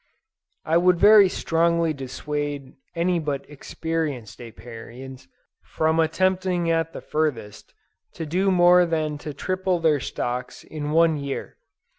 I would very strongly dissuade any but experienced Apiarians, from attempting at the furthest, to do more than to triple their stocks in one year.